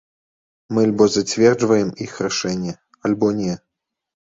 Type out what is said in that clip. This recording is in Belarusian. Мы альбо зацверджваем іх рашэнне, альбо не.